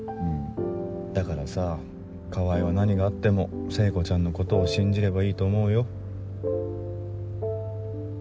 だからさ川合は何があっても聖子ちゃんのことを信じればいいと思うよ。